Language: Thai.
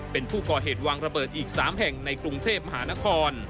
เป็นผู้ก่อเหตุวางระเบิดอีก๓แห่งในกรุงเทพมหานคร